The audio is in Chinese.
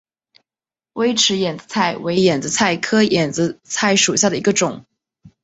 微齿眼子菜为眼子菜科眼子菜属下的一个种。